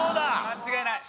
間違いない！